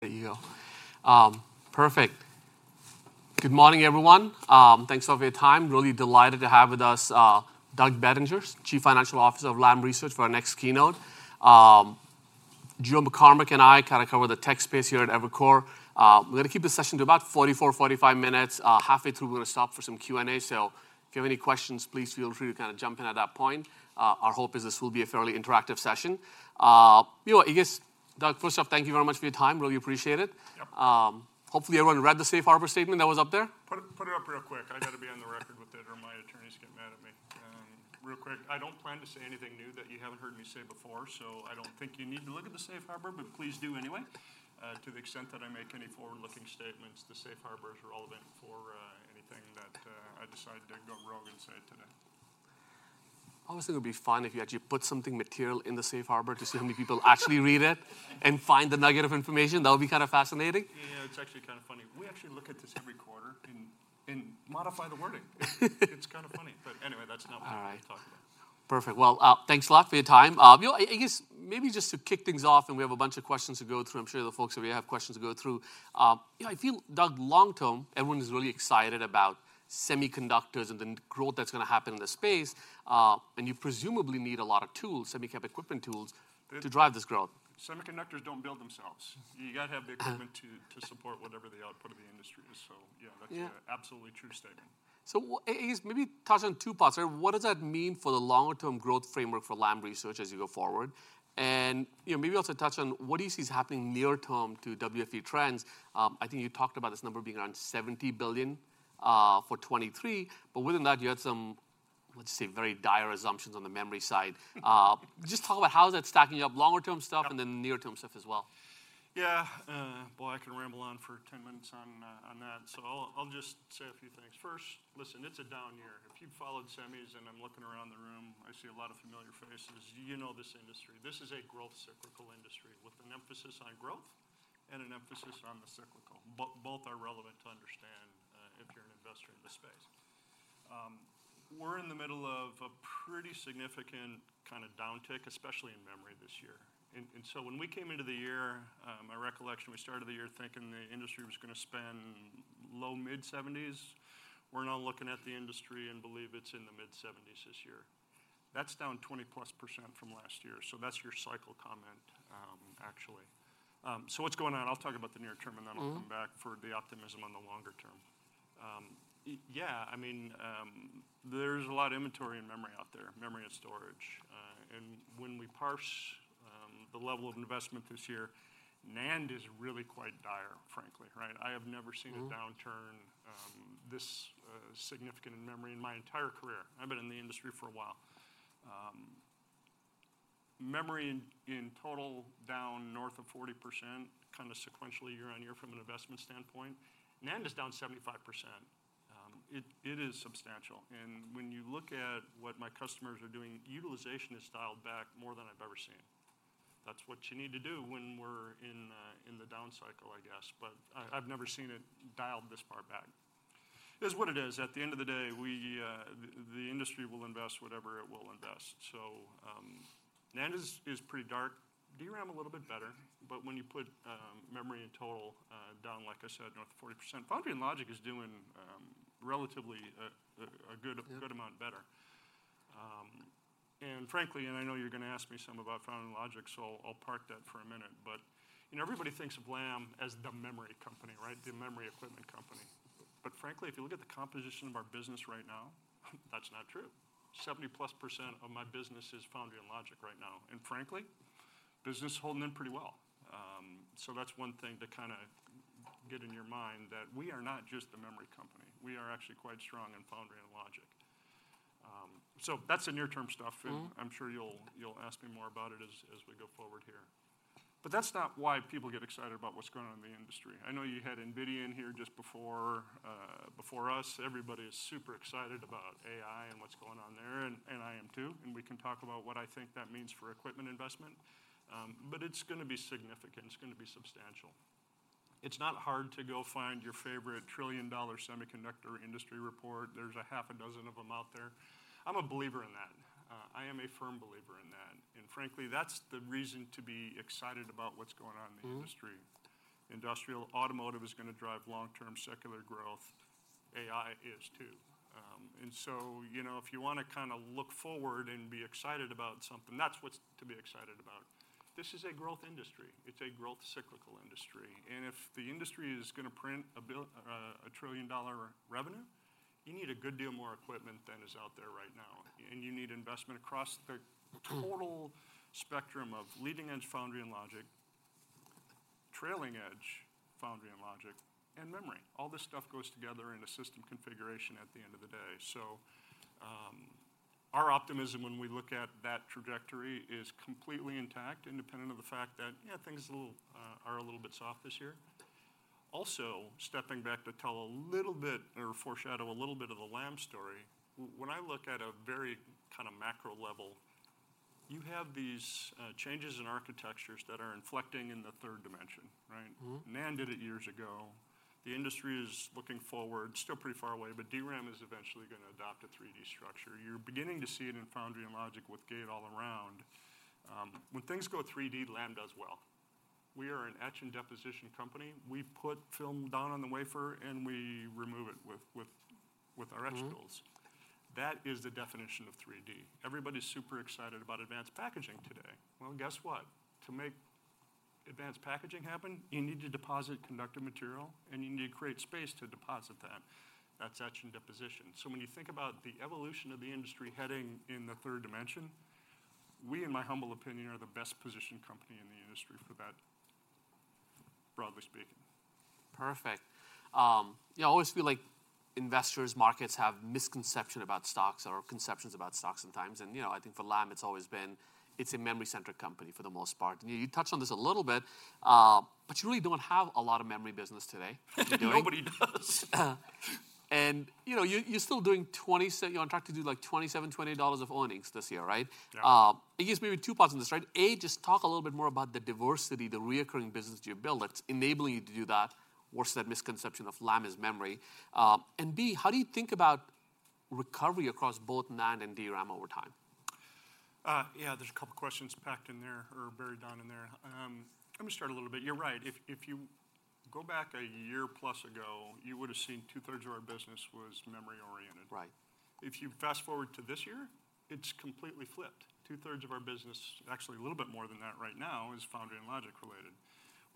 There you go. Perfect. Good morning, everyone. Thanks all for your time. Really delighted to have with us, Doug Bettinger, Chief Financial Officer of Lam Research, for our next keynote. Joe McCormack and I kind of cover the tech space here at Evercore. We're gonna keep this session to about 44, 45 minutes. Halfway through, we're gonna stop for some Q&A, so if you have any questions, please feel free to kind of jump in at that point. Our hope is this will be a fairly interactive session. You know what? I guess, Doug, first off, thank you very much for your time. Really appreciate it. Yep. Hopefully everyone read the safe harbor statement that was up there. Put it, put it up real quick. I gotta be on the record with it, or my attorneys get mad at me. Real quick, I don't plan to say anything new that you haven't heard me say before, so I don't think you need to look at the safe harbor, but please do anyway. To the extent that I make any forward-looking statements, the safe harbor is relevant for anything that I decide to go rogue and say today. Always thought it would be fun if you actually put something material in the safe harbor to see how many people actually read it and find the nugget of information. That would be kind of fascinating. Yeah, it's actually kind of funny. We actually look at this every quarter and modify the wording. It's kind of funny, but anyway, that's not what we're here to talk about. All right. Perfect. Well, thanks a lot for your time. You know, I guess maybe just to kick things off, and we have a bunch of questions to go through. I'm sure the folks here have questions to go through. You know, I feel, Doug, long term, everyone is really excited about semiconductors and the growth that's gonna happen in the space, and you presumably need a lot of tools, semiconductor equipment tools, to drive this growth. Semiconductors don't build themselves. You gotta have the equipment to support whatever the output of the industry is. So yeah, that's- Yeah... absolutely true statement. So, I guess maybe touch on two parts. What does that mean for the longer-term growth framework for Lam Research as you go forward? And, you know, maybe also touch on what do you see is happening near term to WFE trends. I think you talked about this number being around $70 billion for 2023, but within that, you had some, let's say, very dire assumptions on the memory side. Just talk about how is that stacking up, longer-term stuff- Yep... and then near-term stuff as well. Yeah. Boy, I can ramble on for 10 minutes on that, so I'll just say a few things. First, listen, it's a down year. If you've followed semis, and I'm looking around the room, I see a lot of familiar faces, you know this industry. This is a growth cyclical industry with an emphasis on growth and an emphasis on the cyclical, but both are relevant to understand if you're an investor in the space. We're in the middle of a pretty significant kind of downtick, especially in memory this year. So when we came into the year, my recollection, we started the year thinking the industry was gonna spend low mid-70s. We're now looking at the industry and believe it's in the mid-70s this year. That's down 20+% from last year, so that's your cycle comment, actually. What's going on? I'll talk about the near term, and then- Mm-hmm... I'll come back for the optimism on the longer term. Yeah, I mean, there's a lot of inventory and memory out there, memory and storage. And when we parse the level of investment this year, NAND is really quite dire, frankly, right? I have never seen- Mm... a downturn, this significant in memory in my entire career. I've been in the industry for a while. Memory, in total, down north of 40%, kind of sequentially year on year from an investment standpoint. NAND is down 75%. It is substantial, and when you look at what my customers are doing, utilization is dialed back more than I've ever seen. That's what you need to do when we're in the down cycle, I guess, but I've never seen it dialed this far back. It is what it is. At the end of the day, we, the industry will invest whatever it will invest. So, NAND is pretty dark. DRAM a little bit better, but when you put memory in total down, like I said, north of 40%, Foundry and Logic is doing relatively good- Yep... good amount better. And frankly, and I know you're gonna ask me some about Foundry and Logic, so I'll park that for a minute, but, you know, everybody thinks of Lam as the memory company, right? The memory equipment company. But frankly, if you look at the composition of our business right now, that's not true. 70%+ of my business is Foundry and Logic right now, and frankly, business is holding in pretty well. So that's one thing to kind of get in your mind, that we are not just a memory company. We are actually quite strong in Foundry and Logic. So that's the near-term stuff- Mm-hmm... and I'm sure you'll, you'll ask me more about it as, as we go forward here. But that's not why people get excited about what's going on in the industry. I know you had NVIDIA in here just before, before us. Everybody is super excited about AI and what's going on there, and, and I am too, and we can talk about what I think that means for equipment investment. But it's gonna be significant, it's gonna be substantial. It's not hard to go find your favorite trillion-dollar semiconductor industry report. There's a half a dozen of them out there. I'm a believer in that. I am a firm believer in that, and frankly, that's the reason to be excited about what's going on in the industry. Mm. Industrial, automotive is gonna drive long-term secular growth. AI is too. And so, you know, if you wanna kind of look forward and be excited about something, that's what's to be excited about. This is a growth industry. It's a growth cyclical industry, and if the industry is gonna print $1 trillion revenue, you need a good deal more equipment than is out there right now, and you need investment across the- Mm... total spectrum of leading-edge foundry and logic, trailing-edge foundry and logic, and memory. All this stuff goes together in a system configuration at the end of the day. So, our optimism when we look at that trajectory is completely intact, independent of the fact that, yeah, things are a little, are a little bit soft this year. Also, stepping back to tell a little bit or foreshadow a little bit of the Lam story, when I look at a very kind of macro level, you have these, changes in architectures that are inflecting in the third dimension, right? Mm-hmm. NAND did it years ago... the industry is looking forward, still pretty far away, but DRAM is eventually going to adopt a 3D structure. You're beginning to see it in Foundry and Logic with Gate-All-Around. When things go 3D, Lam does well. We are an etch and deposition company. We put film down on the wafer, and we remove it with our- Mm-hmm... etch tools. That is the definition of 3D. Everybody's super excited about Advanced Packaging today. Well, guess what? To make Advanced Packaging happen, you need to deposit conductive material, and you need to create space to deposit that. That's etch and deposition. So when you think about the evolution of the industry heading in the third dimension, we, in my humble opinion, are the best-positioned company in the industry for that, broadly speaking. Perfect. You know, I always feel like investors, markets have misconception about stocks or conceptions about stocks sometimes, and, you know, I think for Lam, it's always been, it's a memory-centric company for the most part. And you touched on this a little bit, but you really don't have a lot of memory business today. Nobody does. You know, you're still doing. You're on track to do, like, $27-$28 of earnings this year, right? Yeah. It gives me two parts on this, right? A, just talk a little bit more about the diversity, the recurring business you build that's enabling you to do that, versus that misconception of Lam is memory. And B, how do you think about recovery across both NAND and DRAM over time? Yeah, there's a couple questions packed in there or buried down in there. Let me start a little bit. You're right. If you go back a year plus ago, you would have seen two-thirds of our business was memory-oriented. Right. If you fast-forward to this year, it's completely flipped. Two-thirds of our business, actually a little bit more than that right now, is Foundry and Logic related.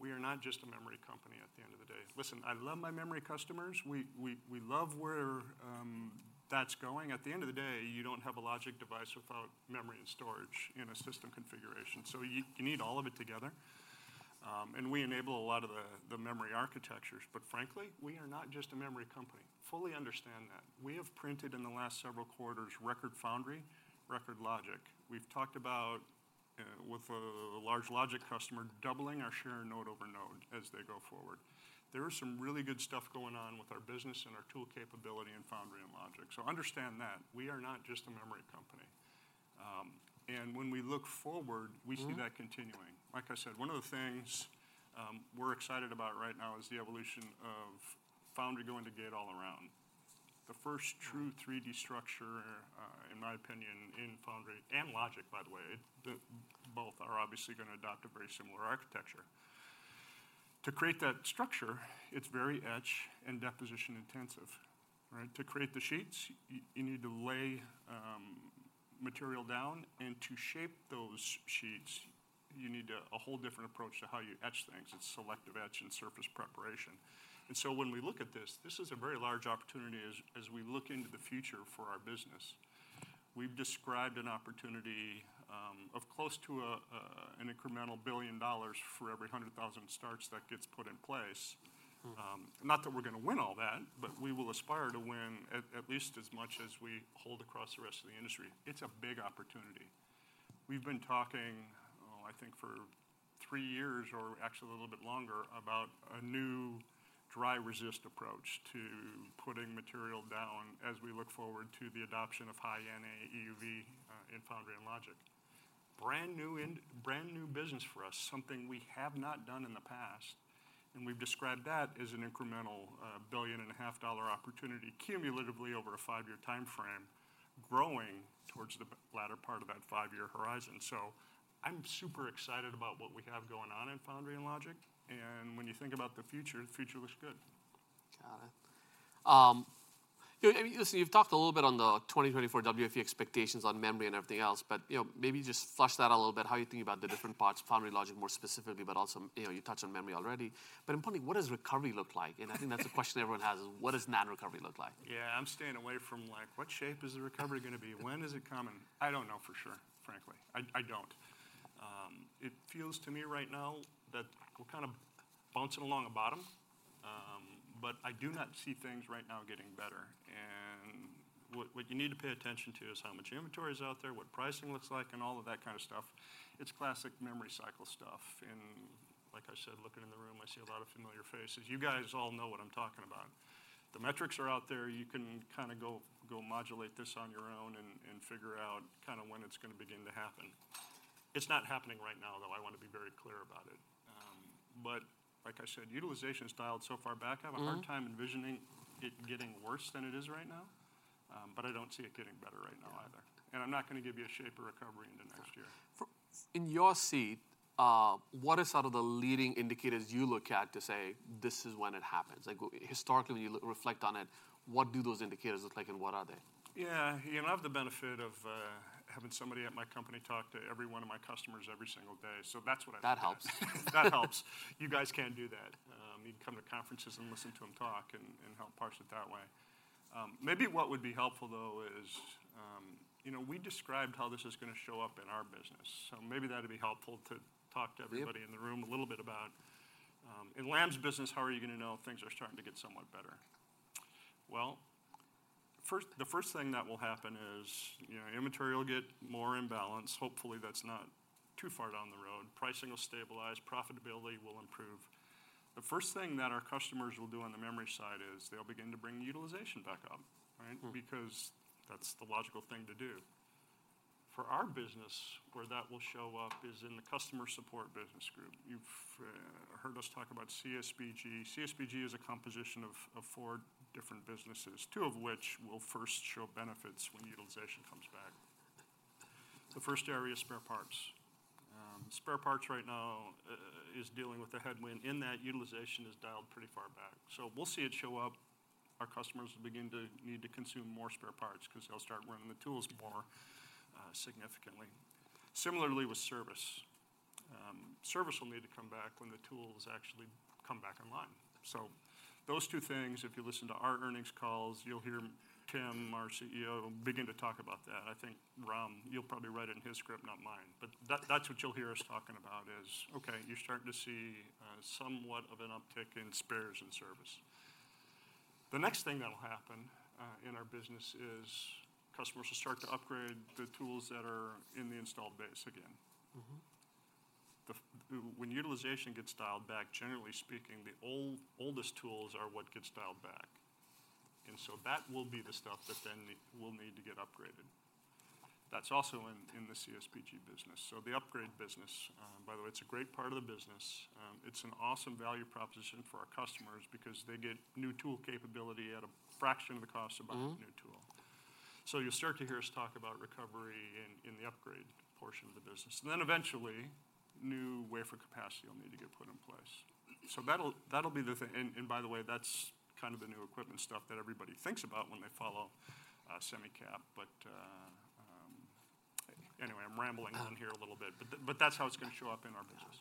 We are not just a memory company at the end of the day. Listen, I love my memory customers. We love where that's going. At the end of the day, you don't have a logic device without memory and storage in a system configuration, so you need all of it together. And we enable a lot of the memory architectures, but frankly, we are not just a memory company. Fully understand that. We have printed in the last several quarters, record Foundry, record Logic. We've talked about with a large logic customer, doubling our share node over node as they go forward. There is some really good stuff going on with our business and our tool capability in Foundry and Logic. So understand that, we are not just a memory company. And when we look forward- Mm... we see that continuing. Like I said, one of the things, we're excited about right now is the evolution of foundry going to Gate-All-Around. The first true 3D structure, in my opinion, in Foundry and Logic, by the way, both are obviously going to adopt a very similar architecture. To create that structure, it's very etch and deposition intensive, right? To create the sheets, you need to lay material down, and to shape those sheets, you need a whole different approach to how you etch things. It's Selective etch and surface preparation. And so when we look at this, this is a very large opportunity as we look into the future for our business. We've described an opportunity of close to an incremental $1 billion for every 100,000 starts that gets put in place. Mm. Not that we're going to win all that, but we will aspire to win at least as much as we hold across the rest of the industry. It's a big opportunity. We've been talking, oh, I think, for three years, or actually a little bit longer, about a new Dry Resist approach to putting material down as we look forward to the adoption of High-NA EUV in Foundry and Logic. Brand new business for us, something we have not done in the past, and we've described that as an incremental $1.5 billion opportunity cumulatively over a five-year timeframe, growing towards the latter part of that five-year horizon. So I'm super excited about what we have going on in Foundry and Logic, and when you think about the future, the future looks good. Got it. You know, listen, you've talked a little bit on the 2024 WFE expectations on memory and everything else, but, you know, maybe just flush that out a little bit, how you think about the different parts, Foundry and Logic more specifically, but also, you know, you touched on memory already. But importantly, what does recovery look like? And I think that's a question everyone has, is what does NAND recovery look like? Yeah. I'm staying away from, like, what shape is the recovery going to be? When is it coming? I don't know for sure, frankly. I don't. It feels to me right now that we're kind of bouncing along a bottom, but I do not see things right now getting better. And what you need to pay attention to is how much inventory is out there, what pricing looks like, and all of that kind of stuff. It's classic memory cycle stuff, and like I said, looking in the room, I see a lot of familiar faces. You guys all know what I'm talking about. The metrics are out there. You can kind of go modulate this on your own and figure out kind of when it's going to begin to happen. It's not happening right now, though. I want to be very clear about it. But like I said, utilization is dialed so far back- Mm... I have a hard time envisioning it getting worse than it is right now. But I don't see it getting better right now either. Yeah. I'm not going to give you a shape of recovery in the next year. In your seat, what are sort of the leading indicators you look at to say, "This is when it happens"? Like, historically, when you look, reflect on it, what do those indicators look like, and what are they? Yeah. You know, I have the benefit of having somebody at my company talk to every one of my customers every single day. So that's what I have. That helps. That helps. You guys can't do that. You can come to conferences and listen to them talk and help parse it that way. Maybe what would be helpful, though, is, you know, we described how this is going to show up in our business, so maybe that'd be helpful to talk to- Yeah... everybody in the room a little bit about, in Lam's business, how are you going to know things are starting to get somewhat better? Well, first, the first thing that will happen is, you know, inventory will get more in balance. Hopefully, that's not too far down the road. Pricing will stabilize, profitability will improve. The first thing that our customers will do on the memory side is they'll begin to bring utilization back up, right? Mm. Because that's the logical thing to do. For our business, where that will show up is in the customer support business group. You've heard us talk about CSBG. CSBG is a composition of four different businesses, two of which will first show benefits when utilization comes back. The first area is spare parts. Spare parts right now is dealing with a headwind, in that utilization is dialed pretty far back. So we'll see it show up. Our customers will begin to need to consume more spare parts, 'cause they'll start running the tools more significantly. Similarly, with service, service will need to come back when the tools actually come back online. So those two things, if you listen to our earnings calls, you'll hear Tim, our CEO, begin to talk about that. I think, Ram, you'll probably write it in his script, not mine, but that- that's what you'll hear us talking about, is, okay, you're starting to see somewhat of an uptick in spares and service. The next thing that'll happen in our business is customers will start to upgrade the tools that are in the installed base again. Mm-hmm. When utilization gets dialed back, generally speaking, the oldest tools are what get dialed back, and so that will be the stuff that then will need to get upgraded. That's also in the CSBG business. So the upgrade business, by the way, it's a great part of the business. It's an awesome value proposition for our customers because they get new tool capability at a fraction of the cost- Mm... of buying a new tool. So you'll start to hear us talk about recovery in the upgrade portion of the business. And then eventually, new wafer capacity will need to get put in place. So that'll be the thing, and by the way, that's kind of the new equipment stuff that everybody thinks about when they follow Semicap. But anyway, I'm rambling on here a little bit, but that's how it's gonna show up in our business.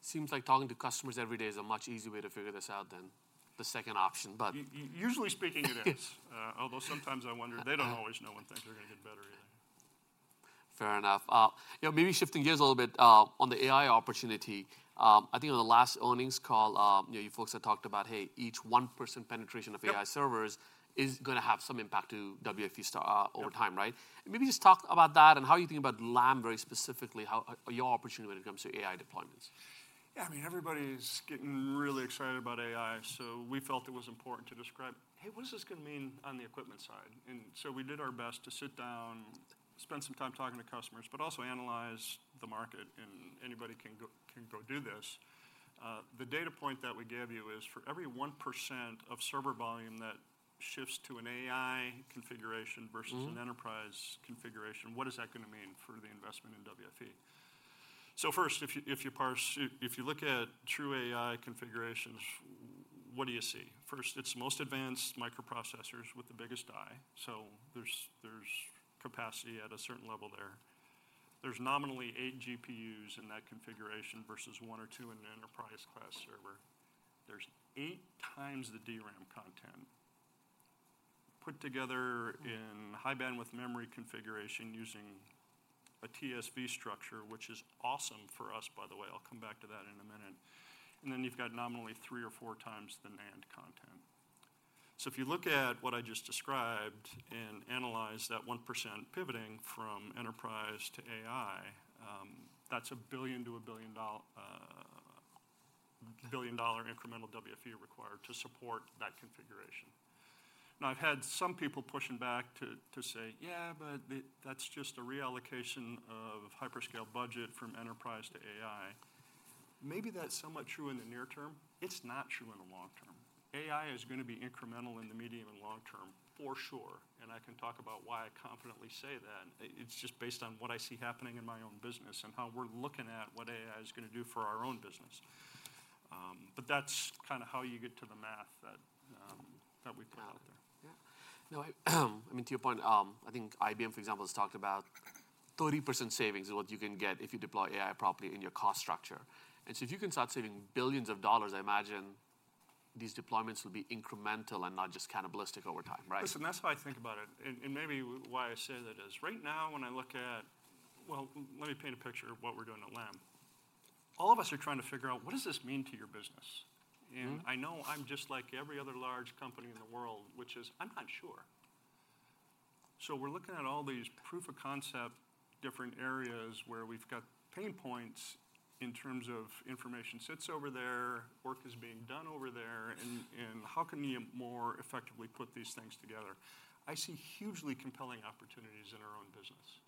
Seems like talking to customers every day is a much easier way to figure this out than the second option, but- Usually speaking, it is. Although sometimes I wonder, they don't always know when things are gonna get better either. Fair enough. You know, maybe shifting gears a little bit, on the AI opportunity, I think on the last earnings call, you know, you folks had talked about, hey, each one percent penetration of AI servers- Yep... is gonna have some impact to WFE start. Yep... over time, right? Maybe just talk about that and how you think about Lam very specifically, how your opportunity when it comes to AI deployments. Yeah, I mean, everybody's getting really excited about AI, so we felt it was important to describe, "Hey, what is this gonna mean on the equipment side?" And so we did our best to sit down, spend some time talking to customers, but also analyze the market, and anybody can go do this. The data point that we gave you is, for every 1% of server volume that shifts to an AI configuration- Mm... versus an enterprise configuration, what is that gonna mean for the investment in WFE? So first, if you look at true AI configurations, what do you see? First, it's most advanced microprocessors with the biggest AI, so there's capacity at a certain level there. There's nominally 8 GPUs in that configuration versus 1 or 2 in an enterprise-class server. There's 8 times the DRAM content put together in high-bandwidth memory configuration using a TSV structure, which is awesome for us, by the way. I'll come back to that in a minute. And then you've got nominally 3 or 4 times the NAND content. So if you look at what I just described and analyze that 1% pivoting from enterprise to AI, that's a $1 billion-dollar incremental WFE required to support that configuration. Now, I've had some people pushing back to say, "Yeah, but the, that's just a reallocation of hyperscale budget from enterprise to AI." Maybe that's somewhat true in the near term. It's not true in the long term. AI is gonna be incremental in the medium and long term, for sure, and I can talk about why I confidently say that. It's just based on what I see happening in my own business and how we're looking at what AI is gonna do for our own business. But that's kind of how you get to the math that we put out there. Yeah. No, I mean, to your point, I think IBM, for example, has talked about 30% savings is what you can get if you deploy AI properly in your cost structure. And so if you can start saving billions of dollars, I imagine these deployments will be incremental and not just cannibalistic over time, right? Listen, that's how I think about it, and maybe why I say that is right now, when I look at... Well, let me paint a picture of what we're doing at Lam. All of us are trying to figure out, what does this mean to your business? Mm. I know I'm just like every other large company in the world, which is: I'm not sure. We're looking at all these proof of concept, different areas where we've got pain points in terms of information sits over there, work is being done over there, and, and how can you more effectively put these things together? I see hugely compelling opportunities in our own business,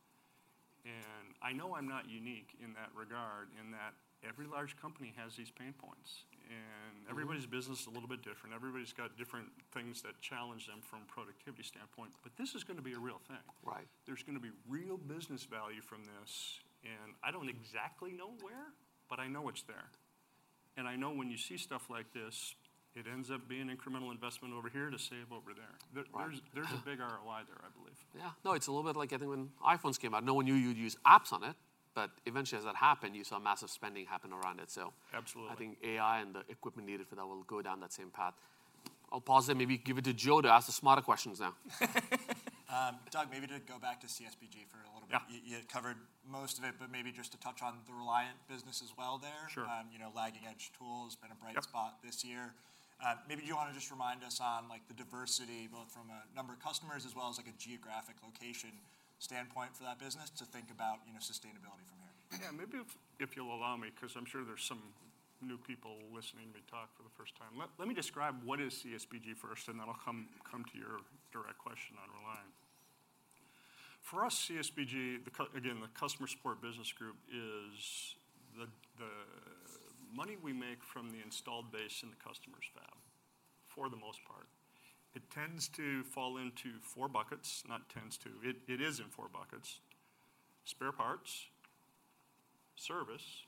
and I know I'm not unique in that regard, in that every large company has these pain points. Everybody's business is a little bit different. Everybody's got different things that challenge them from a productivity standpoint, but this is gonna be a real thing. Right. There's gonna be real business value from this, and I don't exactly know where, but I know it's there. I know when you see stuff like this, it ends up being incremental investment over here to save over there. Right. There, there's a big ROI there, I believe. Yeah. No, it's a little bit like, I think when iPhones came out, no one knew you'd use apps on it, but eventually, as that happened, you saw massive spending happen around it, so- Absolutely... I think AI and the equipment needed for that will go down that same path. I'll pause there, maybe give it to Joe to ask the smarter questions now. Doug, maybe just go back to CSBG for a little bit. Yeah. You had covered most of it, but maybe just to touch on the Reliant business as well there. Sure. you know, lagging edge tools- Yep... been a bright spot this year. Maybe do you want to just remind us on, like, the diversity, both from a number of customers as well as, like, a geographic location standpoint for that business, to think about, you know, sustainability?... Yeah, maybe if you'll allow me, 'cause I'm sure there's some new people listening to me talk for the first time. Let me describe what is CSBG first, and then I'll come to your direct question on Reliant. For us, CSBG, again, the Customer Support Business Group, is the money we make from the installed base in the customer's fab, for the most part. It tends to fall into four buckets. Not tends to, it is in four buckets: spare parts, service,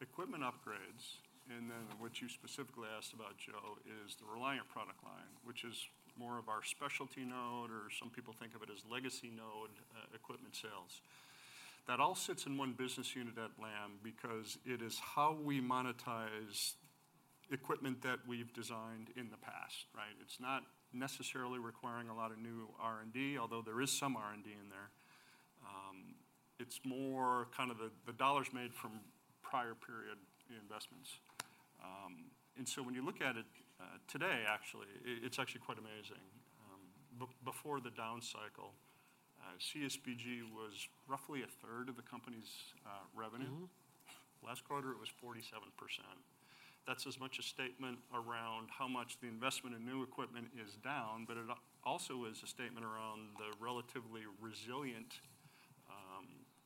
equipment upgrades, and then what you specifically asked about, Joe, is the Reliant product line, which is more of our specialty node, or some people think of it as legacy node, equipment sales. That all sits in one business unit at Lam because it is how we monetize equipment that we've designed in the past, right? It's not necessarily requiring a lot of new R&D, although there is some R&D in there. It's more kind of the, the dollars made from prior period investments. And so when you look at it, today, actually, it's actually quite amazing. Before the down cycle, CSBG was roughly a third of the company's revenue. Mm-hmm. Last quarter, it was 47%. That's as much a statement around how much the investment in new equipment is down, but it also is a statement around the relatively resilient,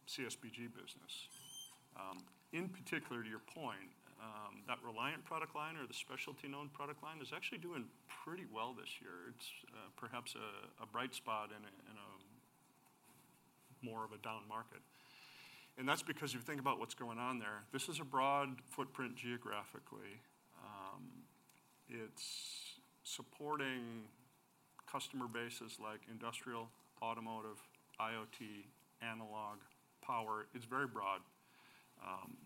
CSBG business. In particular, to your point, that Reliant product line or the specialty node product line is actually doing pretty well this year. It's perhaps a bright spot in a more of a down market, and that's because if you think about what's going on there, this is a broad footprint geographically. It's supporting customer bases like industrial, automotive, IoT, analog, power. It's very broad.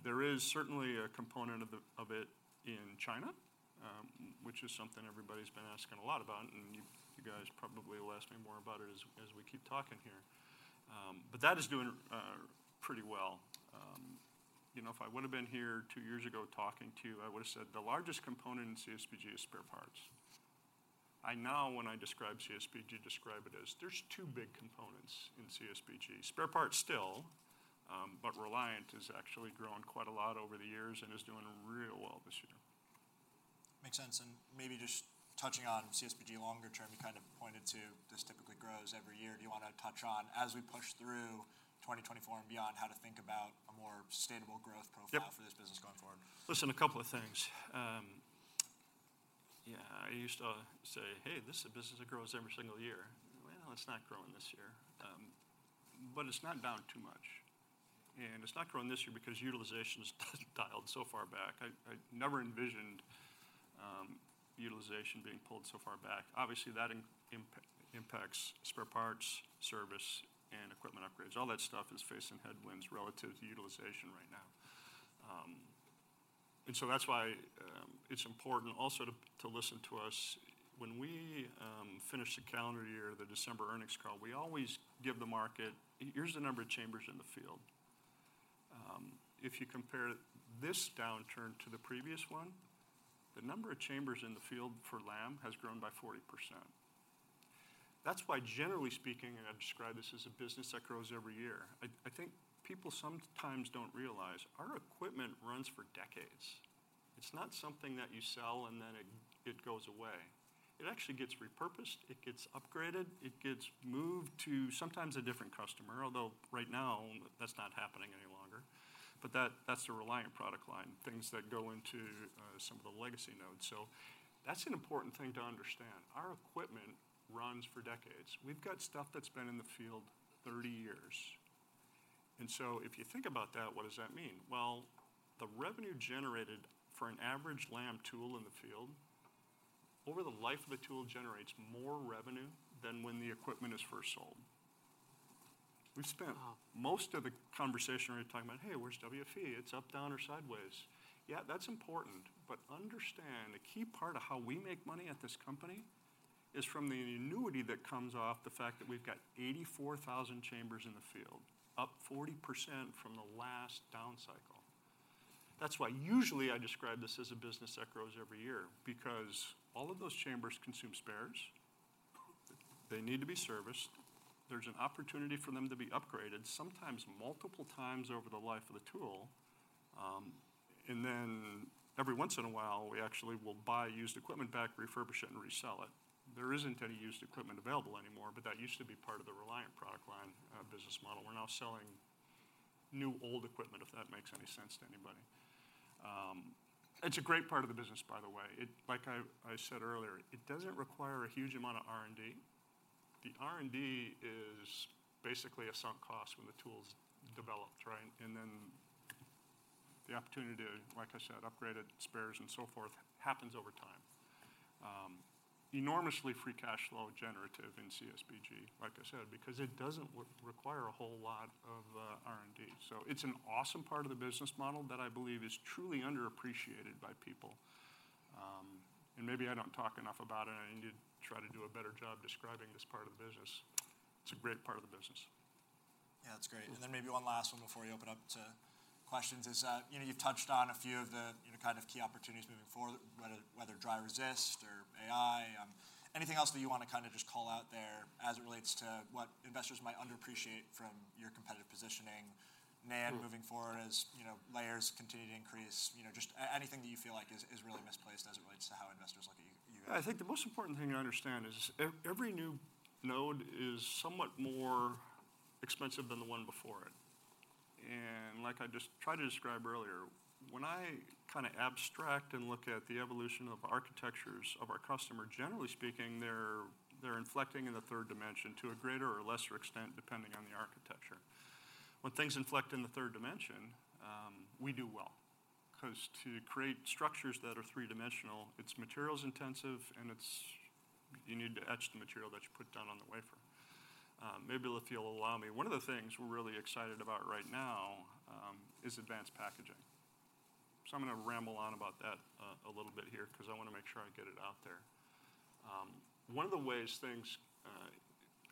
There is certainly a component of it in China, which is something everybody's been asking a lot about, and you guys probably will ask me more about it as we keep talking here. But that is doing pretty well. You know, if I would've been here two years ago talking to you, I would've said the largest component in CSBG is spare parts. I now, when I describe CSBG, describe it as there's two big components in CSBG, spare parts still, but Reliant has actually grown quite a lot over the years and is doing real well this year. Makes sense, and maybe just touching on CSBG longer term. You kind of pointed to this typically grows every year. Do you wanna touch on, as we push through 2024 and beyond, how to think about a more sustainable growth profile? Yep... for this business going forward? Listen, a couple of things. Yeah, I used to say: Hey, this is a business that grows every single year. Well, it's not growing this year, but it's not down too much, and it's not growing this year because utilization is dialed so far back. I never envisioned utilization being pulled so far back. Obviously, that impacts spare parts, service, and equipment upgrades. All that stuff is facing headwinds relative to utilization right now. And so that's why it's important also to listen to us. When we finish the calendar year, the December earnings call, we always give the market... Here's the number of chambers in the field. If you compare this downturn to the previous one, the number of chambers in the field for Lam has grown by 40%. That's why, generally speaking, and I describe this as a business that grows every year, I think people sometimes don't realize our equipment runs for decades. It's not something that you sell, and then it goes away. It actually gets repurposed, it gets upgraded, it gets moved to sometimes a different customer, although right now, that's not happening any longer. But that's the Reliant product line, things that go into some of the legacy nodes. So that's an important thing to understand. Our equipment runs for decades. We've got stuff that's been in the field 30 years, and so if you think about that, what does that mean? Well, the revenue generated for an average Lam tool in the field, over the life of the tool, generates more revenue than when the equipment is first sold. We've spent- Wow... most of the conversation, we're talking about, Hey, where's WFE? It's up, down, or sideways. Yeah, that's important, but understand, a key part of how we make money at this company is from the annuity that comes off the fact that we've got 84,000 chambers in the field, up 40% from the last down cycle. That's why usually I describe this as a business that grows every year. Because all of those chambers consume spares, they need to be serviced. There's an opportunity for them to be upgraded, sometimes multiple times over the life of the tool, and then every once in a while, we actually will buy used equipment back, refurbish it, and resell it. There isn't any used equipment available anymore, but that used to be part of the Reliant product line, business model. We're now selling new, old equipment, if that makes any sense to anybody. It's a great part of the business, by the way. Like I said earlier, it doesn't require a huge amount of R&D. The R&D is basically a sunk cost when the tool's developed, right? And then the opportunity to, like I said, upgrade it, spares and so forth, happens over time. Enormously free cash flow generative in CSBG, like I said, because it doesn't require a whole lot of R&D. So it's an awesome part of the business model that I believe is truly underappreciated by people. And maybe I don't talk enough about it, and I need to try to do a better job describing this part of the business. It's a great part of the business. Yeah, that's great. Mm-hmm. Maybe one last one before we open up to-... questions is, you know, you've touched on a few of the, you know, kind of key opportunities moving forward, whether dry resist or AI, anything else that you want to kind of just call out there as it relates to what investors might underappreciate from your competitive positioning? NAND moving forward, as you know, layers continue to increase, you know, just anything that you feel like is really misplaced as it relates to how investors look at you. I think the most important thing to understand is every new node is somewhat more expensive than the one before it. Like I just tried to describe earlier, when I kind of abstract and look at the evolution of architectures of our customer, generally speaking, they're inflecting in the third dimension to a greater or lesser extent, depending on the architecture. When things inflect in the third dimension, we do well, 'cause to create structures that are three-dimensional, it's materials intensive, and you need to etch the material that you put down on the wafer. Maybe if you'll allow me, one of the things we're really excited about right now is Advanced Packaging. So I'm gonna ramble on about that a little bit here, 'cause I wanna make sure I get it out there. One of the ways things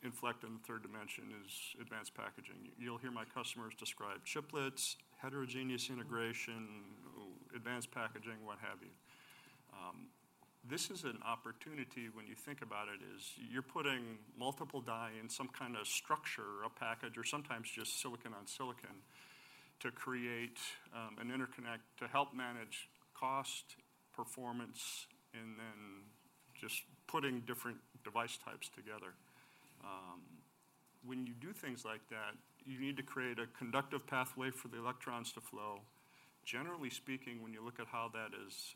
inflect in the third dimension is Advanced Packaging. You'll hear my customers describe chiplets, Heterogeneous Integration, Advanced Packaging, what have you. This is an opportunity, when you think about it, is you're putting multiple die in some kind of structure or package, or sometimes just silicon on silicon, to create an interconnect to help manage cost, performance, and then just putting different device types together. When you do things like that, you need to create a conductive pathway for the electrons to flow. Generally speaking, when you look at how that is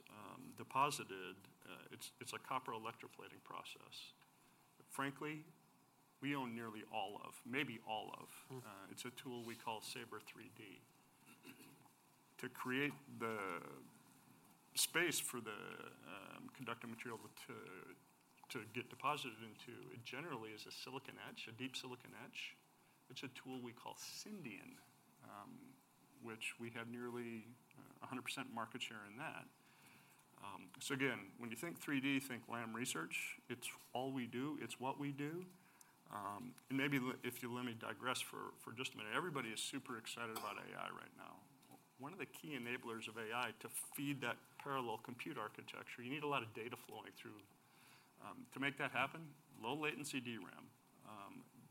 deposited, it's a copper electroplating process. Frankly, we own nearly all of, maybe all of- Mm... it's a tool we call Sabre 3D. To create the space for the conductive material to get deposited into, it generally is a silicon etch, a deep silicon etch. It's a tool we call Syndion, which we have nearly 100% market share in that. So again, when you think 3D, think Lam Research. It's all we do. It's what we do. And maybe if you let me digress for just a minute. Everybody is super excited about AI right now. One of the key enablers of AI to feed that parallel compute architecture, you need a lot of data flowing through. To make that happen, low latency DRAM.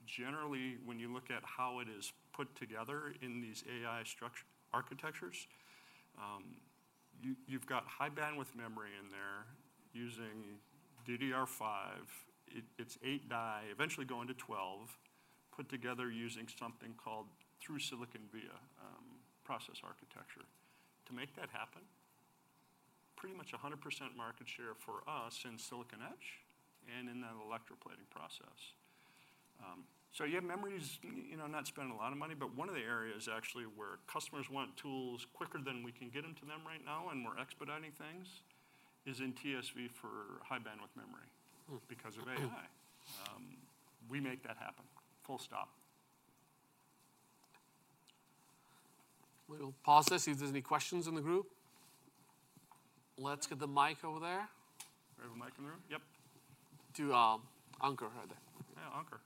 Generally, when you look at how it is put together in these AI structure architectures, you've got high-bandwidth memory in there using DDR5. It's 8 die, eventually going to 12, put together using something called Through-Silicon Via process architecture. To make that happen, pretty much 100% market share for us in silicon etch and in that electroplating process. So yeah, memory's, you know, not spending a lot of money, but one of the areas actually where customers want tools quicker than we can get them to them right now, and we're expediting things, is in TSV for high-bandwidth memory- Mm... because of AI. We make that happen, full stop. We'll pause this, see if there's any questions in the group. Let's get the mic over there. We have a mic in the room? Yep. To Ankur right there. Yeah, Ankur.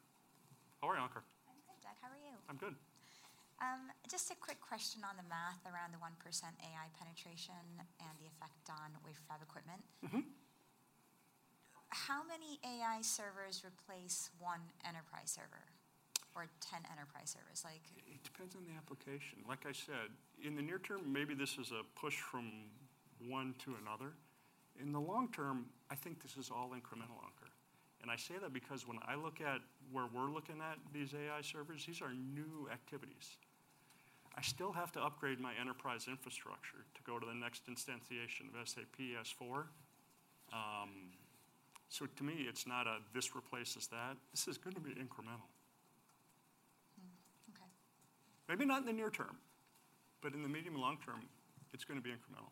How are you, Ankur? I'm good, Doug. How are you? I'm good. Just a quick question on the math around the 1% AI penetration and the effect on Wafer Fab Equipment? Mm-hmm. How many AI servers replace 1 enterprise server or 10 enterprise servers? Like- It depends on the application. Like I said, in the near term, maybe this is a push from one to another. In the long term, I think this is all incremental, Ankur, and I say that because when I look at where we're looking at, these AI servers, these are new activities. I still have to upgrade my enterprise infrastructure to go to the next instantiation of SAP S/4. So to me, it's not a this replaces that. This is going to be incremental. Mm. Okay. Maybe not in the near term, but in the medium and long term, it's going to be incremental.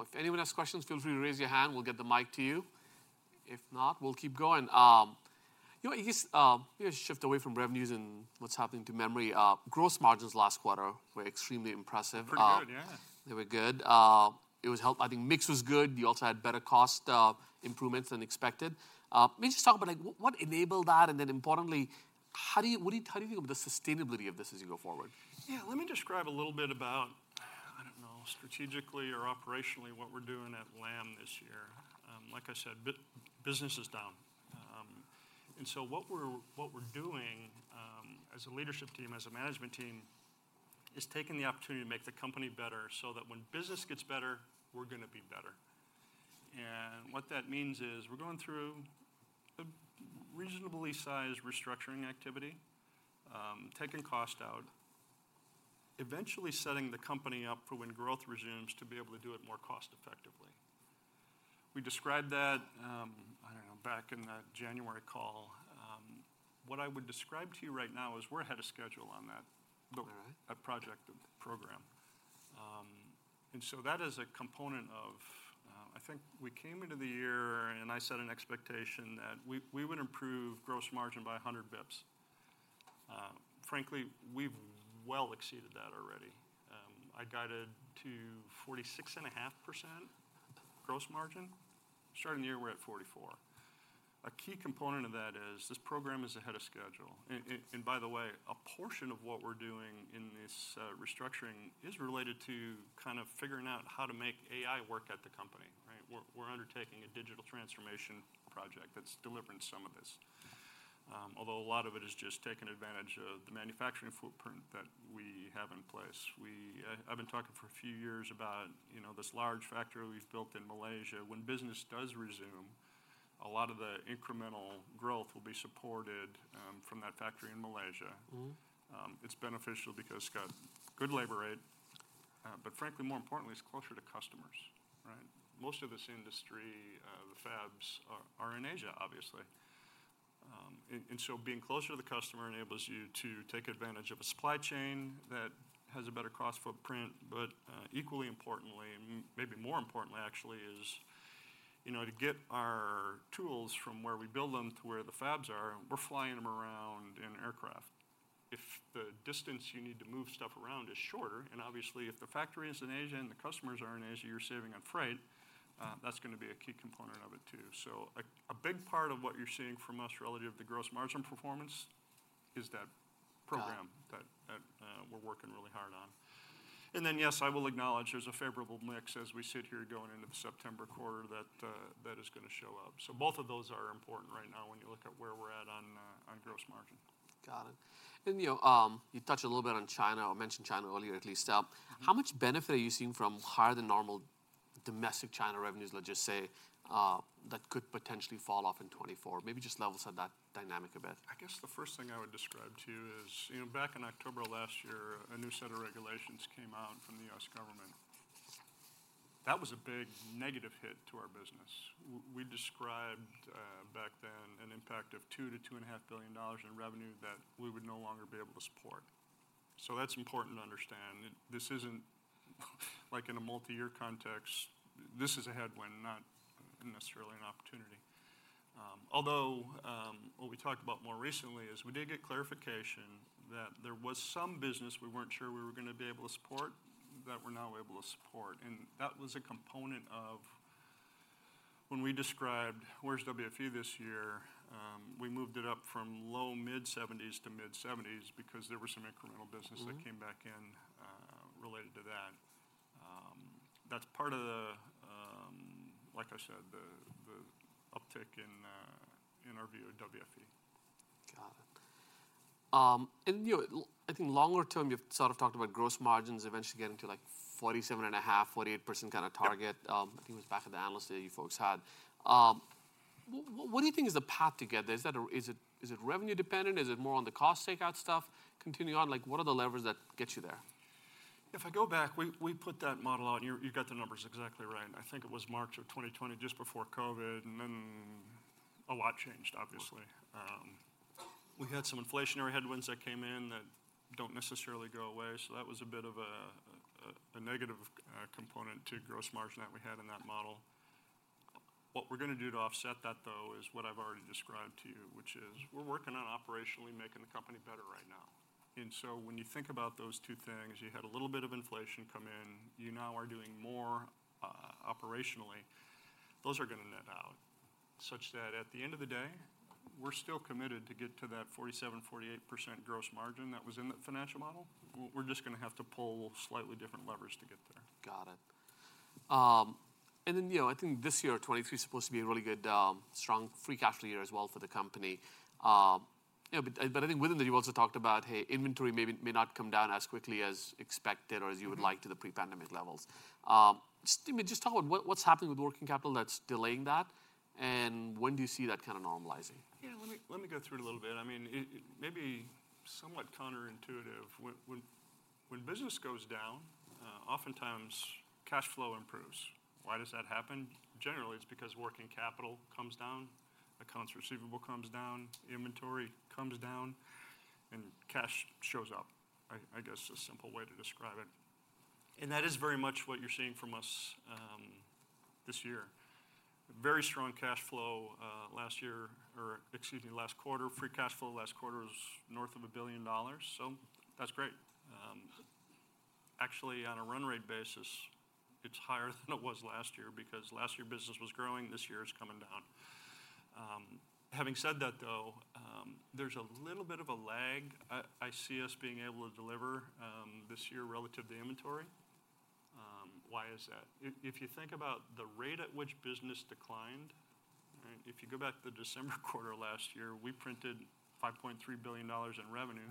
All right. Well, if anyone has questions, feel free to raise your hand, we'll get the mic to you. If not, we'll keep going. You know what, I guess, we just shift away from revenues and what's happening to memory. Gross margins last quarter were extremely impressive. Pretty good, yeah. They were good. It was helped—I think mix was good. You also had better cost improvements than expected. Maybe just talk about like what enabled that, and then importantly, how do you think about the sustainability of this as you go forward? Yeah, let me describe a little bit about, I don't know, strategically or operationally, what we're doing at Lam this year. Like I said, business is down. And so what we're, what we're doing, as a leadership team, as a management team, is taking the opportunity to make the company better so that when business gets better, we're gonna be better. And what that means is we're going through a reasonably sized restructuring activity, taking cost out, eventually setting the company up for when growth resumes, to be able to do it more cost effectively. We described that, I don't know, back in the January call. What I would describe to you right now is we're ahead of schedule on that- All right... the project, the program. And so that is a component of, I think we came into the year, and I set an expectation that we would improve gross margin by 100 basis points. Frankly, we've well exceeded that already. I guided to 46.5% gross margin. Starting the year, we're at 44%. A key component of that is this program is ahead of schedule. And by the way, a portion of what we're doing in this restructuring is related to kind of figuring out how to make AI work at the company, right? We're undertaking a digital transformation project that's delivering some of this. Although a lot of it is just taking advantage of the manufacturing footprint that we have in place. We've been talking for a few years about, you know, this large factory we've built in Malaysia. When business does resume, a lot of the incremental growth will be supported from that factory in Malaysia. Mm-hmm. It's beneficial because it's got good labor rate, but frankly, more importantly, it's closer to customers, right? Most of this industry, the fabs are in Asia, obviously. And so being closer to the customer enables you to take advantage of a supply chain that has a better cross footprint. But, equally importantly, and maybe more importantly actually, is, you know, to get our tools from where we build them to where the fabs are, we're flying them around in aircraft. If the distance you need to move stuff around is shorter, and obviously, if the factory is in Asia and the customers are in Asia, you're saving on freight, that's gonna be a key component of it, too. So a big part of what you're seeing from us relative to gross margin performance is that program- Got it. that we're working really hard on. And then, yes, I will acknowledge there's a favorable mix as we sit here going into the September quarter that is gonna show up. So both of those are important right now when you look at where we're at on gross margin. Got it. And, you know, you touched a little bit on China, or mentioned China earlier, at least. How much benefit are you seeing from higher-than-normal domestic China revenues, let's just say, that could potentially fall off in 2024? Maybe just level set that dynamic a bit. I guess the first thing I would describe to you is, you know, back in October of last year, a new set of regulations came out from the U.S. government. That was a big negative hit to our business. We described, back then, an impact of $2 billion-$2.5 billion in revenue that we would no longer be able to support. So that's important to understand. This isn't like in a multi-year context. This is a headwind, not necessarily an opportunity. Although what we talked about more recently is we did get clarification that there was some business we weren't sure we were gonna be able to support, that we're now able to support, and that was a component of when we described where's WFE this year, we moved it up from low- to mid-70s to mid-70s because there was some incremental business. Mm-hmm... that came back in, related to that. That's part of the, like I said, the uptick in our view of WFE. Got it. And, you know, I think longer term, you've sort of talked about gross margins eventually getting to, like, 47.5%-48% kind of target. Yeah. I think it was back at the analyst day you folks had. What do you think is the path to get there? Is that a... Is it, is it revenue dependent? Is it more on the cost takeout stuff continuing on? Like, what are the levers that get you there? If I go back, we put that model out, and you got the numbers exactly right. I think it was March of 2020, just before COVID, and then a lot changed, obviously. We had some inflationary headwinds that came in that don't necessarily go away, so that was a bit of a negative component to gross margin that we had in that model. What we're gonna do to offset that, though, is what I've already described to you, which is we're working on operationally making the company better right now. And so when you think about those two things, you had a little bit of inflation come in. You now are doing more operationally. Those are gonna net out, such that at the end of the day, we're still committed to get to that 47%-48% gross margin that was in the financial model. We're just gonna have to pull slightly different levers to get there. Got it. And then, you know, I think this year, 2023, supposed to be a really good, strong free cash year as well for the company. You know, but, but I think within that, you also talked about, hey, inventory maybe may not come down as quickly as expected or as you would like- Mm-hmm... to the pre-pandemic levels. Just, I mean, just talk about what, what's happening with working capital that's delaying that, and when do you see that kind of normalizing? Yeah, let me go through it a little bit. I mean, it may be somewhat counterintuitive. When business goes down, oftentimes cash flow improves. Why does that happen? Generally, it's because working capital comes down, accounts receivable comes down, inventory comes down, and cash shows up, I guess, a simple way to describe it. And that is very much what you're seeing from us this year. Very strong cash flow last year, or excuse me, last quarter. Free cash flow last quarter was north of $1 billion, so that's great. Actually, on a run rate basis, it's higher than it was last year, because last year, business was growing, this year it's coming down. Having said that, though, there's a little bit of a lag I see us being able to deliver this year relative to inventory. Why is that? If you think about the rate at which business declined, right, if you go back to the December quarter last year, we printed $5.3 billion in revenue.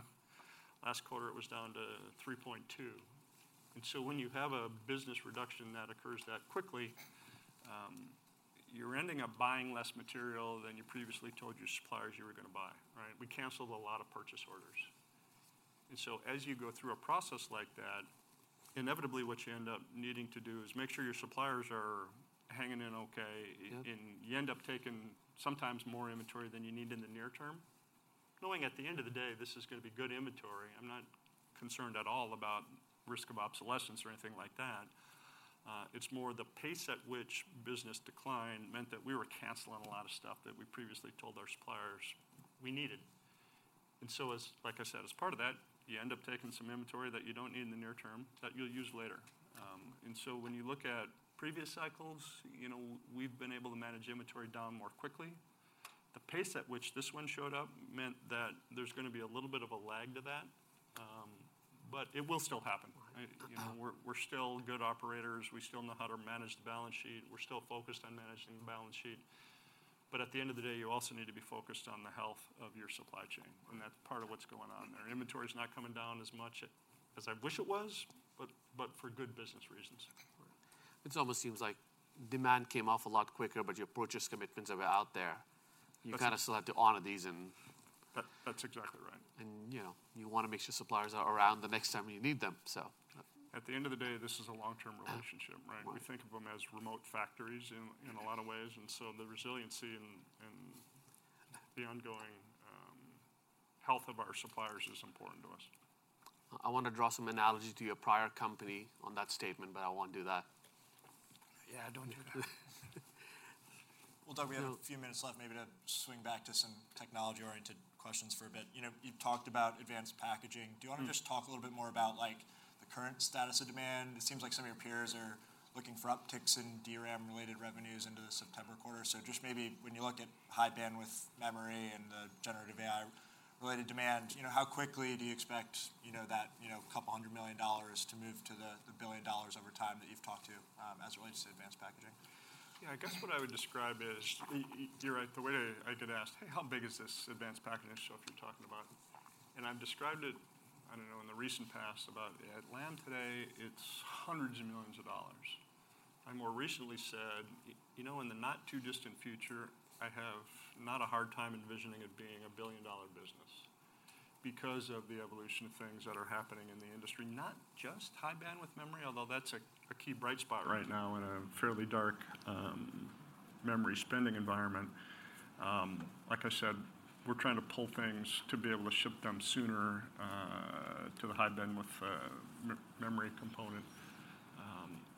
Last quarter, it was down to $3.2 billion. And so when you have a business reduction that occurs that quickly, you're ending up buying less material than you previously told your suppliers you were gonna buy, right? We canceled a lot of purchase orders. And so as you go through a process like that, inevitably, what you end up needing to do is make sure your suppliers are hanging in okay. Yep... and you end up taking sometimes more inventory than you need in the near term, knowing at the end of the day, this is gonna be good inventory... concerned at all about risk of obsolescence or anything like that. It's more the pace at which business decline meant that we were canceling a lot of stuff that we previously told our suppliers we needed. And so as, like I said, as part of that, you end up taking some inventory that you don't need in the near term, that you'll use later. And so when you look at previous cycles, you know, we've been able to manage inventory down more quickly. The pace at which this one showed up meant that there's gonna be a little bit of a lag to that, but it will still happen, right? You know, we're still good operators, we still know how to manage the balance sheet, we're still focused on managing the balance sheet, but at the end of the day, you also need to be focused on the health of your supply chain, and that's part of what's going on there. Inventory's not coming down as much as I wish it was, but for good business reasons. It almost seems like demand came off a lot quicker, but your purchase commitments are out there. That's- You kind of still have to honor these, and- That, that's exactly right. And, you know, you wanna make sure suppliers are around the next time you need them, so... At the end of the day, this is a long-term relationship, right? Right. We think of them as remote factories in- Right... in a lot of ways, and so the resiliency and the ongoing health of our suppliers is important to us. I want to draw some analogies to your prior company on that statement, but I won't do that. Yeah, don't do that. Well, Doug, we have a few minutes left, maybe to swing back to some technology-oriented questions for a bit. You know, you've talked about advanced packaging. Mm-hmm. Do you wanna just talk a little bit more about, like, the current status of demand? It seems like some of your peers are looking for upticks in DRAM-related revenues into the September quarter. So just maybe when you look at high-bandwidth memory and the generative AI-related demand, you know, how quickly do you expect, you know, that, you know, couple hundred million dollars to move to the, the billion dollars over time that you've talked to, as it relates to advanced packaging? Yeah, I guess what I would describe is, you're right, the way I get asked: "Hey, how big is this advanced packaging stuff you're talking about?" And I've described it, I don't know, in the recent past about, at Lam today, it's $hundreds of millions. I more recently said, you know, in the not-too-distant future, I have not a hard time envisioning it being a billion-dollar business because of the evolution of things that are happening in the industry, not just high-bandwidth memory, although that's a key bright spot right now in a fairly dark memory spending environment. Like I said, we're trying to pull things to be able to ship them sooner to the high-bandwidth memory component.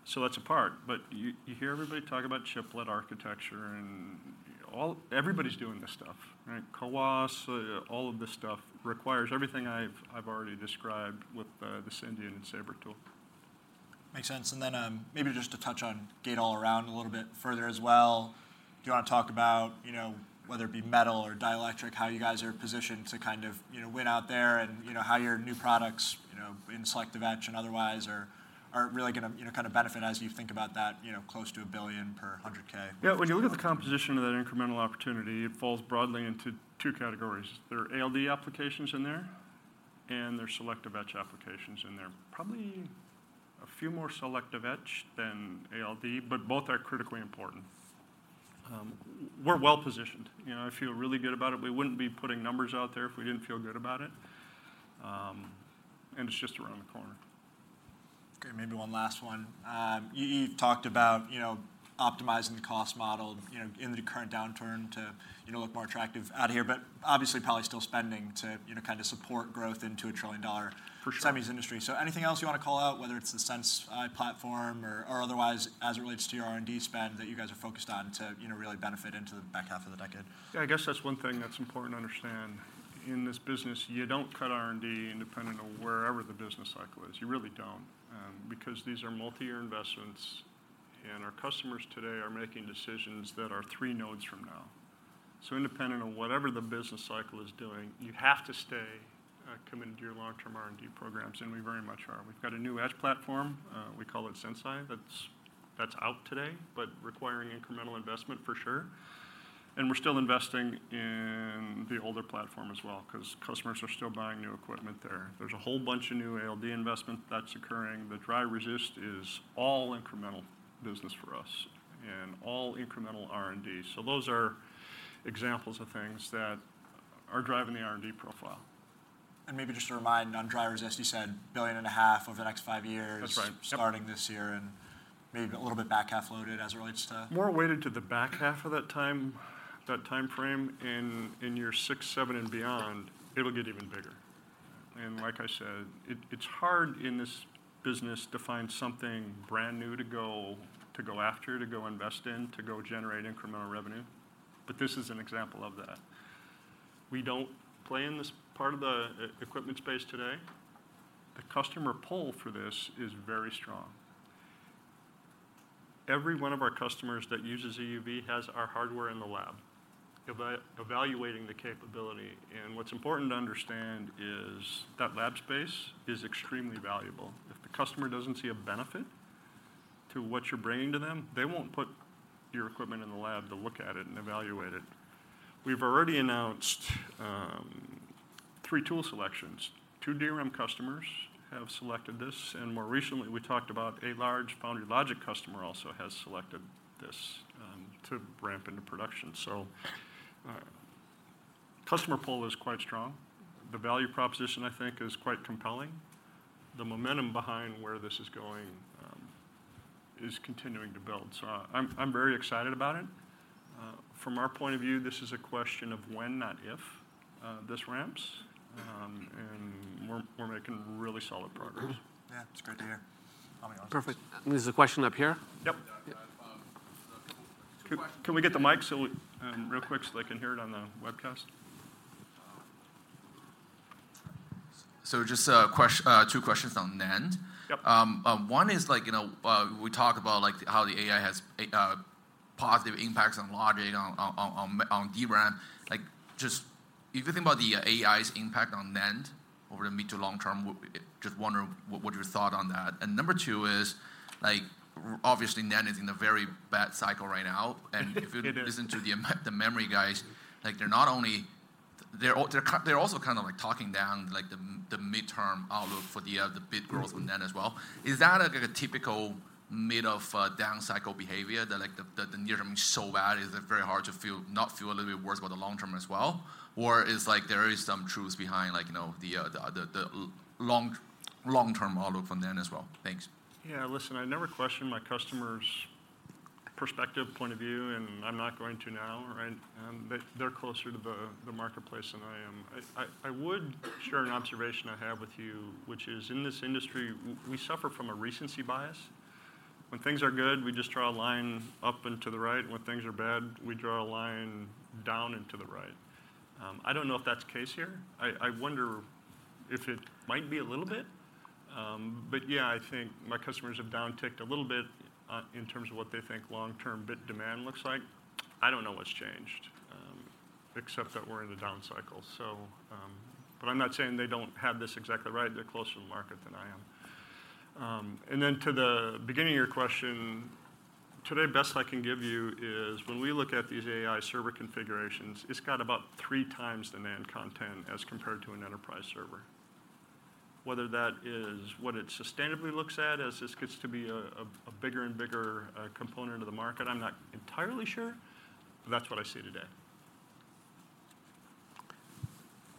So that's a part, but you hear everybody talk about chiplet architecture and all, everybody's doing this stuff, right? CoWoS, all of this stuff requires everything I've already described with the Syndion and SABRE tool. Makes sense. Then, maybe just to touch on Gate-All-Around a little bit further as well. Do you wanna talk about, you know, whether it be metal or dielectric, how you guys are positioned to kind of, you know, win out there and, you know, how your new products, you know, in Selective etch and otherwise are, are really gonna, you know, kind of benefit as you think about that, you know, close to $1 billion per 100K? Yeah, when you look at the composition of that incremental opportunity, it falls broadly into two categories. There are ALD applications in there, and there's selective etch applications in there. Probably a few more selective etch than ALD, but both are critically important. We're well positioned. You know, I feel really good about it. We wouldn't be putting numbers out there if we didn't feel good about it. And it's just around the corner. Okay, maybe one last one. You've talked about, you know, optimizing the cost model, you know, in the current downturn to, you know, look more attractive out here, but obviously, probably still spending to, you know, kind of support growth into a trillion-dollar- For sure... semis industry. So anything else you want to call out, whether it's the Sense.i platform or, or otherwise, as it relates to your R&D spend, that you guys are focused on to, you know, really benefit into the back half of the decade? Yeah, I guess that's one thing that's important to understand. In this business, you don't cut R&D independent of wherever the business cycle is. You really don't, because these are multi-year investments, and our customers today are making decisions that are three nodes from now. So independent of whatever the business cycle is doing, you have to stay committed to your long-term R&D programs, and we very much are. We've got a new etch platform, we call it Sense.i, that's out today, but requiring incremental investment for sure, and we're still investing in the older platform as well, 'cause customers are still buying new equipment there. There's a whole bunch of new ALD investment that's occurring. The dry resist is all incremental business for us and all incremental R&D. So those are examples of things that are driving the R&D profile. Maybe just to remind, on dry resist, you said $1.5 billion over the next five years- That's right. Yep.... starting this year, and maybe a little bit back-half loaded as it relates to- More weighted to the back half of that time, that timeframe. In, in year 6, 7, and beyond- Yeah... it'll get even bigger. And like I said, it, it's hard in this business to find something brand new to go, to go after, to go invest in, to go generate incremental revenue, but this is an example of that. We don't play in this part of the equipment space today. The customer pull for this is very strong. Every one of our customers that uses EUV has our hardware in the lab, evaluating the capability, and what's important to understand is that lab space is extremely valuable. If the customer doesn't see a benefit to what you're bringing to them, they won't put your equipment in the lab to look at it and evaluate it. We've already announced three tool selections. Two DRAM customers have selected this, and more recently, we talked about a large foundry logic customer also has selected this, to ramp into production. So, customer pull is quite strong. The value proposition, I think, is quite compelling. The momentum behind where this is going is continuing to build. So I'm, I'm very excited about it. From our point of view, this is a question of when, not if, this ramps. And we're, we're making really solid progress. Mm-hmm. Yeah, it's great to hear. I mean- Perfect. There's a question up here? Yep. Yeah, um, Can we get the mic so we, real quick, so they can hear it on the webcast? So just two questions on NAND. Yep. One is like, you know, we talk about like how the AI has a positive impacts on logic, on DRAM. Like, just if you think about the AI's impact on NAND over the mid- to long-term, just wondering what your thought on that? And number two is, like, obviously, NAND is in a very bad cycle right now. It is. If you listen to the memory guys, like, they're not only, they're also kind of like talking down, like, the midterm outlook for the bit growth- Mm... on NAND as well. Is that, like, a typical mid of down cycle behavior that, like, the near term is so bad, is it very hard to not feel a little bit worse about the long term as well? Or is, like, there is some truth behind, like, you know, the long-term outlook from then as well? Thanks. Yeah, listen, I never question my customer's perspective point of view, and I'm not going to now, right? They, they're closer to the marketplace than I am. I would share an observation I have with you, which is, in this industry, we suffer from a recency bias. When things are good, we just draw a line up and to the right. When things are bad, we draw a line down and to the right. I don't know if that's the case here. I wonder if it might be a little bit. But yeah, I think my customers have down-ticked a little bit in terms of what they think long-term bit demand looks like. I don't know what's changed, except that we're in a down cycle. So... But I'm not saying they don't have this exactly right. They're closer to the market than I am. And then to the beginning of your question, today, best I can give you is when we look at these AI server configurations, it's got about three times demand content as compared to an enterprise server. Whether that is what it sustainably looks at as this gets to be a bigger and bigger component of the market, I'm not entirely sure, but that's what I see today.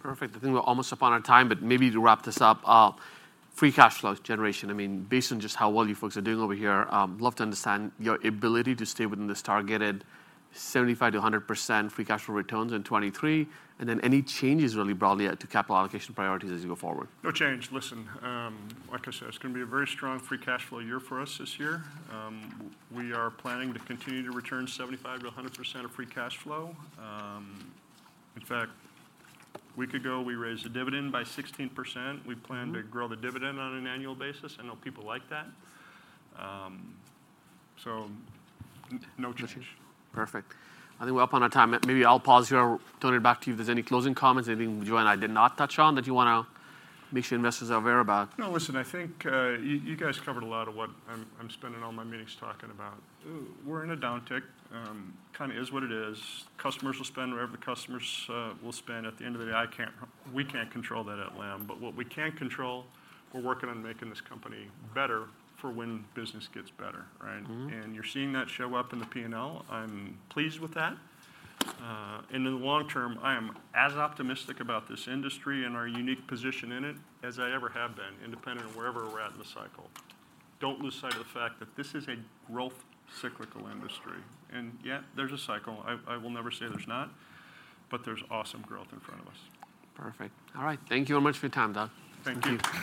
Perfect. I think we're almost up on our time, but maybe to wrap this up, free cash flow generation. I mean, based on just how well you folks are doing over here, love to understand your ability to stay within this targeted 75%-100% free cash flow returns in 2023, and then any changes really broadly to capital allocation priorities as you go forward. No change. Listen, like I said, it's gonna be a very strong free cash flow year for us this year. We are planning to continue to return 75%-100% of free cash flow. In fact, a week ago, we raised the dividend by 16%. Mm-hmm. We plan to grow the dividend on an annual basis. I know people like that. So no change. Perfect. I think we're up on our time. Maybe I'll pause here, turn it back to you if there's any closing comments, anything you and I did not touch on that you wanna make sure investors are aware about. No, listen. I think you guys covered a lot of what I'm spending all my meetings talking about. We're in a downtick. Kind of is what it is. Customers will spend whatever the customers will spend. At the end of the day, I can't, we can't control that at Lam. But what we can control, we're working on making this company better for when business gets better, right? Mm-hmm. You're seeing that show up in the P&L. I'm pleased with that. In the long term, I am as optimistic about this industry and our unique position in it as I ever have been, independent of wherever we're at in the cycle. Don't lose sight of the fact that this is a growth cyclical industry. Yeah, there's a cycle, I, I will never say there's not, but there's awesome growth in front of us. Perfect. All right. Thank you very much for your time, Doug. Thank you.